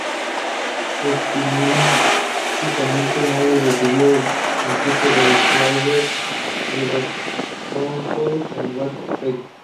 Estilísticamente, Moore recibió el influjo de Flaubert, de los Goncourt y de Walter Pater.